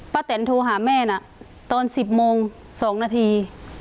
ป้าแตนโทรหาแม่น่ะตอนสิบโมงสองนาที